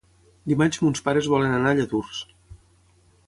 Dimarts mons pares volen anar a Lladurs.